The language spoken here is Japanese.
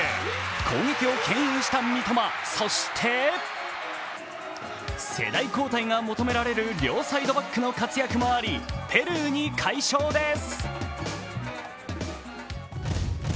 攻撃をけん引した三笘、そして世代交代が求められる両サイドバックの活躍もありペルーに快勝です。